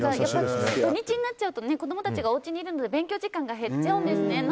土日になっちゃうと子供たちがおうちにいるので勉強時間が減っちゃうんですね。